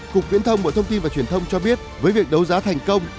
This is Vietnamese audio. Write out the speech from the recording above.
cục viễn thông bộ thông tin và truyền thông cho biết với việc đấu giá thành công